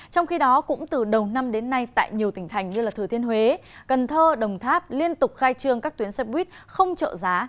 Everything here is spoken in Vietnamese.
trong khi đó cũng từ đầu năm đến nay tại nhiều tỉnh thành như thừa thiên huế cần thơ đồng tháp liên tục khai trương các tuyến xe buýt không trợ giá